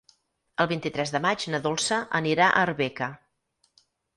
El vint-i-tres de maig na Dolça anirà a Arbeca.